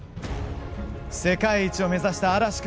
世界一を目指した嵐君。